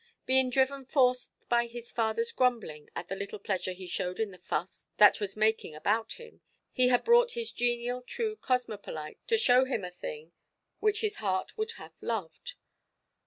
Being driven forth by his fatherʼs grumbling at the little pleasure he showed in the fuss that was making about him, he had brought his genial, true cosmopolite to show him a thing which his heart would have loved.